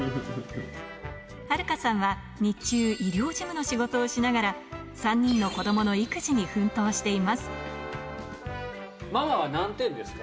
晴香さんは日中、医療事務の仕事をしながら、３人の子どもの育児ママは何点ですか？